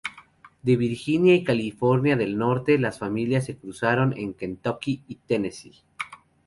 De Virginia y Carolina del Norte, las familias se cruzaron en Kentucky y Tennessee.